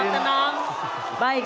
baik harap tenang harap tenang